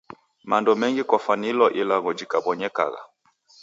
Mando mengi kwafwanilwa ilagho jibonyekagha.